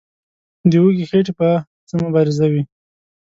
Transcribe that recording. د وږي خېټې به څه مبارزه وي.